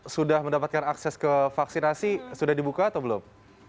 sudah mendapatkan akses ke vaksinasi sudah dibuka atau belum